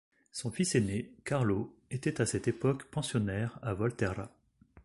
Son fils aîné, Carlo, était à cette époque pensionnaire à Volterra.